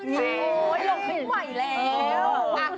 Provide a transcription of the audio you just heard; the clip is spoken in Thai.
หลงไม่ไหวแล้ว